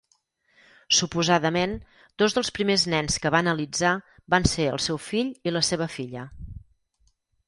Suposadament dos dels primers nens que va analitzar van ser el seu fill i la seva filla.